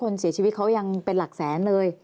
คนเสียชีวิตเขายังเป็นหลักแสนเลย